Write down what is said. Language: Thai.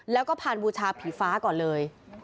แล้วก็พานบูชาผีฟ้าก่อนเลย